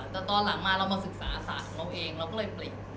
แต่ตอนหลังมาเรามาศึกษาศาสตร์ของเราเองเราก็เลยเปลี่ยน